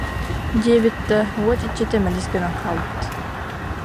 диэбит да, уот иччитэ мэлис гынан хаалбыт